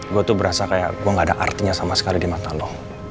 gue tuh berasa kayak gue gak ada artinya sama sekali di mata lo